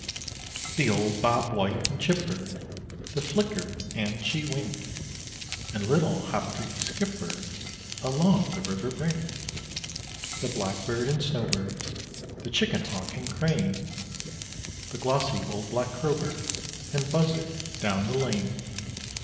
The old bob white, and chipbird; The flicker and chee wink, And little hopty skip bird Along the river brink. The blackbird and snowbird, The chicken hawk and crane; The glossy old black crow bird, And buzzard, down the lane.